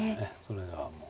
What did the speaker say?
それがもう。